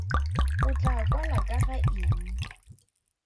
O tlaa kwala ka ga eng?